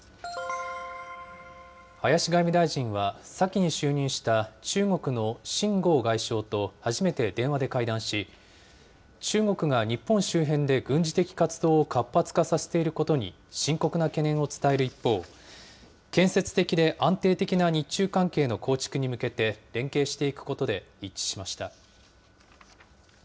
林外務大臣は先に就任した中国の秦剛外相と初めて電話で会談し、中国が日本周辺で軍事的活動を活発化させていることに深刻な懸念を伝える一方、建設的で安定的な日中関係の構築に向けて連携していくことで一致しました。